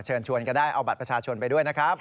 เชิญชวนก็ได้เอาบัตรประชาชนไปด้วยนะครับ